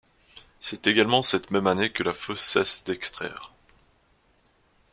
C'est également cette même année que la fosse cesse d'extraire.